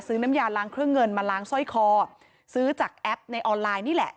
น้ำยาล้างเครื่องเงินมาล้างสร้อยคอซื้อจากแอปในออนไลน์นี่แหละ